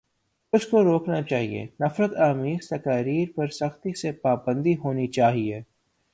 اس کو روکنا چاہیے، نفرت آمیز تقاریر پر سختی سے پابندی ہونی چاہیے۔